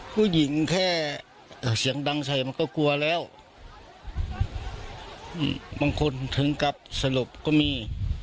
ผู้หญิงแค่เสียงดังใส่มันก็กลัวแล้วบางคนถึงกับสลบก็มี